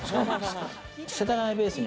世田谷ベースに